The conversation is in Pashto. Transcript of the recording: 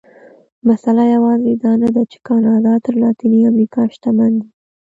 مسئله یوازې دا نه ده چې کاناډا تر لاتینې امریکا شتمن دي.